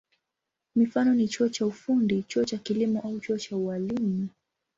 Mifano ni chuo cha ufundi, chuo cha kilimo au chuo cha ualimu.